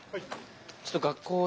ちょっと学校を。